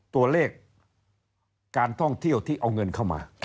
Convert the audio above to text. ตัวเลขการท่องเที่ยวที่เอาเงินเข้ามา